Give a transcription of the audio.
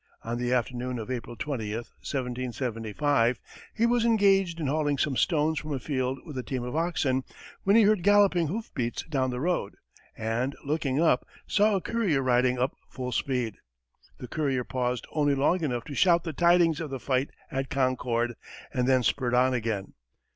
On the afternoon of April 20, 1775, he was engaged in hauling some stones from a field with a team of oxen, when he heard galloping hoofbeats down the road, and looking up, saw a courier riding up full speed. The courier paused only long enough to shout the tidings of the fight at Concord, and then spurred on again.